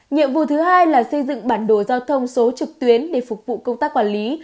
nhiệm vụ thứ hai là xây dựng bản đồ giao thông số trực tuyến để phục vụ công tác quản lý